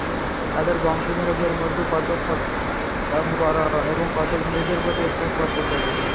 তাদের বংশধরদের মধ্যে কতক সৎকর্মপরায়ণ এবং কতক নিজেদের প্রতি স্পষ্ট অত্যাচারী।